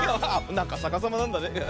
さかさまなんだね。